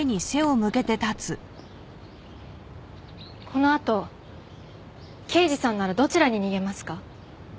このあと刑事さんならどちらに逃げますか？